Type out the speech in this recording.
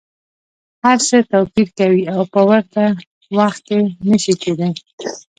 هر څه توپیر کوي او په ورته وخت کي نه شي کیدای.